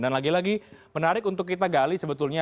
dan lagi lagi menarik untuk kita gali sebetulnya